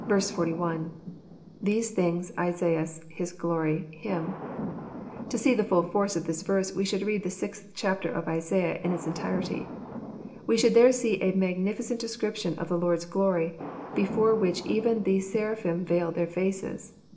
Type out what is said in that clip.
41. [77^ese thing8.,.E8aia$„.hi$ glory„.him,'] To see the full force of this verse we should read the sixth chapter of Isaiah In its entirety. We should there see a magnificent description of the liOrd's glory, before which even the seraphim veiled their faces.